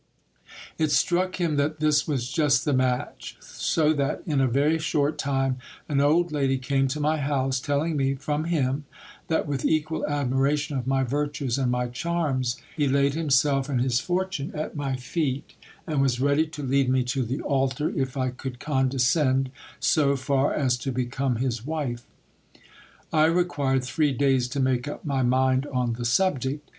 It struck him that this was just the match ; so that in a very short time an old lady came to my house, telling me, from him, that with equal admiration of my virtues and my charms, he laid himself and his fortune at my feet, and was ready to lead me to the altar, if I could condescend so far as to become his wife. I required three days to make up my mind on the subject.